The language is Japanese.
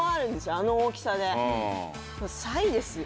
あの大きさでサイですよ